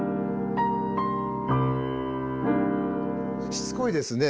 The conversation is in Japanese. しつこいですね。